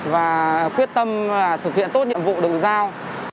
và quyết tâm thực hiện tốt nhiệm vụ được giao